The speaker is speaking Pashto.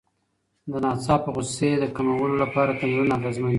د ناڅاپه غوسې د کمولو لپاره تمرینونه اغېزمن دي.